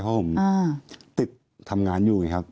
เพราะผมติดทำงานอยู่